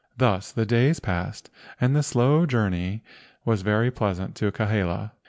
Thus the days passed, and the slow journey was very pleasant to Kahele.